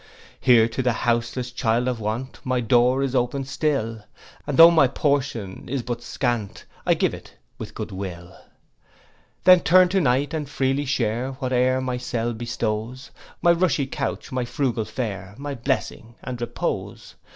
'Here to the houseless child of want, My door is open still; And tho' my portion is but scant, I give it with good will. 'Then turn to night, and freely share Whate'er my cell bestows; My rushy couch, and frugal fare, My blessing and repose.